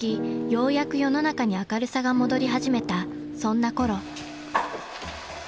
ようやく世の中に明るさが戻り始めたそんなころ］